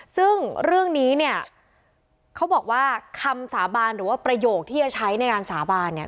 ซึ่งเรื่องนี้เนี่ยเขาบอกว่าคำสาบานหรือว่าประโยคที่จะใช้ในการสาบานเนี่ย